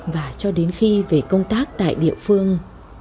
và cho đến khi về công tác tại địa phương